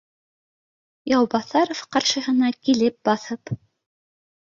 Яубаҫаров ҡаршыһына килеп баҫып: